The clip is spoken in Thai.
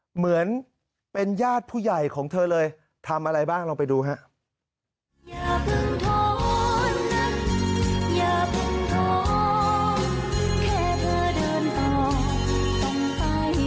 เหมือนเป็นญาติผู้ใหญ่ของเธอเลยทำอะไรบ้างลองไปดูครับ